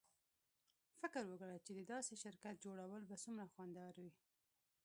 فکر وکړه چې د داسې شرکت جوړول به څومره خوندور وي